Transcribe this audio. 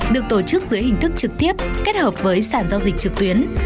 được tổ chức dưới hình thức trực tiếp kết hợp với sản giao dịch trực tuyến